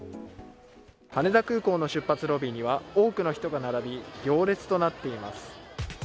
羽田空港の出発ロビーには多くの人が並び、行列となっています。